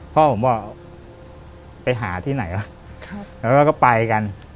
พ่อผมบอกไปหาที่ไหนวะแล้วก็ไปกัน